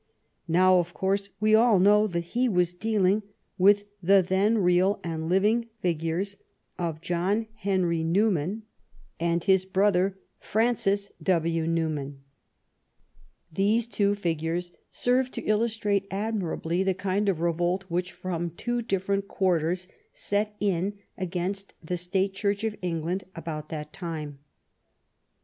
Now, of course, we all know that he was dealing with the then real and living figures of John Henry New (From A photograph by GLADSTONE'S FIRST BOOK 67 man and his brother Francis W. Newman. These two figures served to illustrate admirably the kind of revolt which from two different quarters set in against the State Church of England about that time.